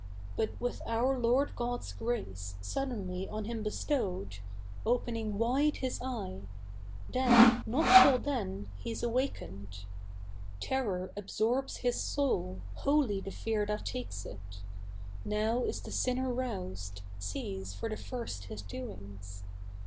But with our Lord God's grace, suddenly on him bestowed, Opening wide his eye then, not till then, he's awakened. Terror absorbs his soul, holy the fear that takes it; Now is the sinner roused, sees for the first his doings.